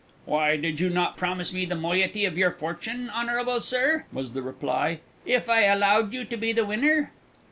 "Why, did you not promise me the moiety of your fortune, honble Sir," was the reply, "if I allowed you to be the winner?"